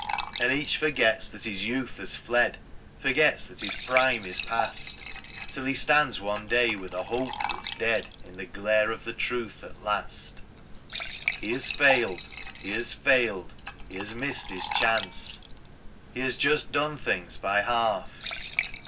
And each forgets that his youth has fled, Forgets that his prime is past. Till he stands one da}^ with a hope that's dead In the glare of the truth at last. He has failed, he has failed; he has missed his chance ; He has just done things by half.